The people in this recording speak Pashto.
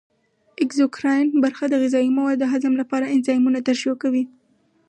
اګزوکراین برخه د غذایي موادو د هضم لپاره انزایمونه ترشح کوي.